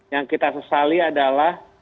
yang kita sesali adalah